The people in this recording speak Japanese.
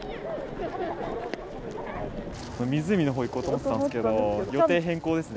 湖のほう行こうと思ってたんですけど、予定変更ですね。